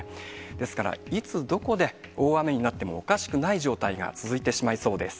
ですからいつ、どこで大雨になってもおかしくない状態が続いてしまいそうです。